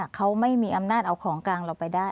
เขาไม่มีอำนาจเอาของกลางเราไปได้